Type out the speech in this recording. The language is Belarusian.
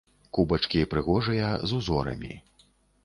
Кубачкі прыгожыя, з узорамі.